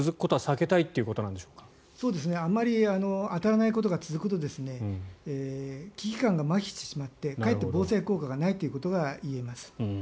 あまり当たらないことが続くと危機感がまひしてしまってかえって防災効果がないということが言えます。